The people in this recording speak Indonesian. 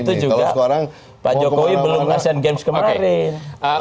itu juga pak jokowi belum ngasih handgames kemarin